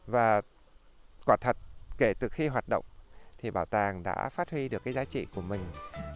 và quả thật kể từ khi hoạt động thì bảo tàng đã phát huy được cái giá trị của mình